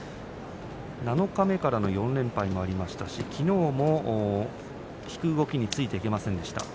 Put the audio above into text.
七日目からの４連敗もありましたし、きのうも引く動きについていけませんでした。